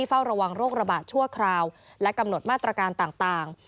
เฝ้าระวังโรคระบาดชั่วคราวและกำหนดมาตรการต่าง